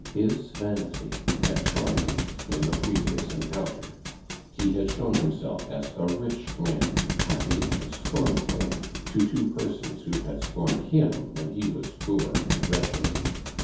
His vanity had triumphed in the previous encounter; he had shown himself as a rich man, happy and scornful, to two persons who had scorned him when he was poor and wretched.